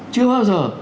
chưa bao giờ